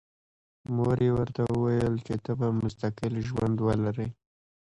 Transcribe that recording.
مور یې ورته وویل چې ته به مستقل ژوند ولرې